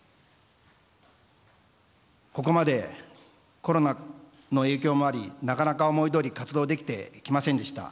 ここまで、コロナの影響もありなかなか思いどおり活動できてきませんでした。